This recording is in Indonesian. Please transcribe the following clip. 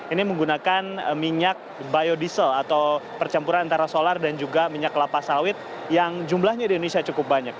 ini menggunakan minyak biodiesel atau percampuran antara solar dan juga minyak kelapa sawit yang jumlahnya di indonesia cukup banyak